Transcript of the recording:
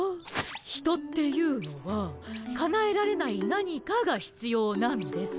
ヒトっていうのはかなえられない何かがひつようなんです。